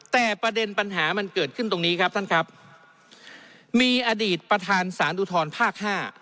แต่ประเด็นปัญหามันเกิดขึ้นตรงนี้ครับท่านครับมีอดีตประธานสารอุทธรภาคห้า